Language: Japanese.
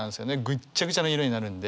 ぐっちゃぐちゃな色になるんで。